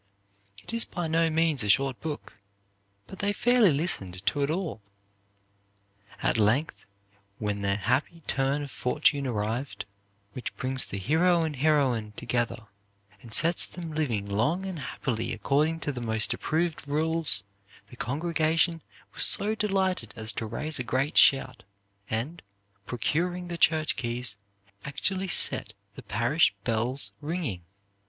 It is by no means a short book, but they fairly listened to it all. "At length, when the happy turn of fortune arrived, which brings the hero and heroine together, and sets them living long and happily according to the most approved rules, the congregation were so delighted as to raise a great shout, and, procuring the church keys, actually set the parish bells ringing."